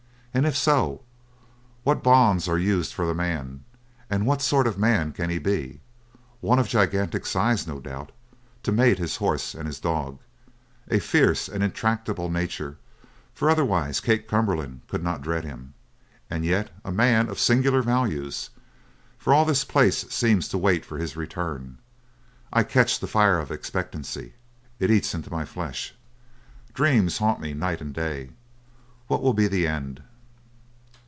"And, if so, what bonds are used for the man? And what sort of man can he be? One of gigantic size, no doubt, to mate his horse and his dog. A fierce and intractable nature, for otherwise Kate Cumberland could not dread him. And yet a man of singular values, for all this place seems to wait for his return. I catch the fire of expectancy. It eats into my flesh. Dreams haunt me night and day. What will be the end?